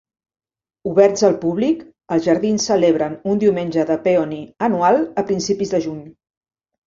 Oberts al públic, els jardins celebren un Diumenge de Peony anual a principis de juny.